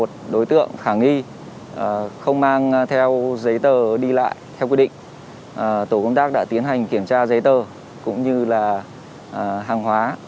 tổ công tác đã tiến hành kiểm tra giấy tơ cũng như là hàng hóa